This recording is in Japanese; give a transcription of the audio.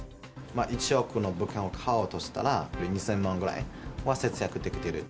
１億の物件を買おうとしたら、２０００万ぐらいは節約できてる。